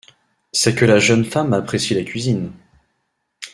C’est que la jeune femme apprécie la cuisine.